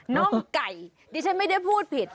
น้องไก่ดิฉันไม่ได้พูดผิด